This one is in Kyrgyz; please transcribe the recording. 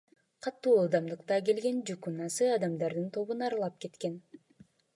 Катуу ылдамдыкта келген жүк унаасы адамдардын тобун аралап кеткен.